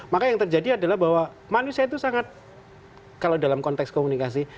maka yang terjadi adalah bahwa manusia itu sangat kalau dalam konteks komunikasi